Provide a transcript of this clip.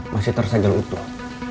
masih tersajal utuh